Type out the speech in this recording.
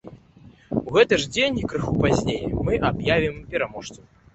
У гэты ж дзень, крыху пазней, мы аб'явім пераможцаў!